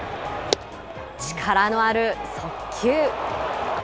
力のある速球。